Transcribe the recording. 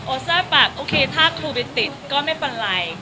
โอเซอร์แบบโอเคถ้าโควิดติดก็ไม่เป็นไร